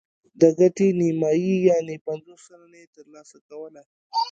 د ګټې نیمايي یعنې پنځوس سلنه یې ترلاسه کوله.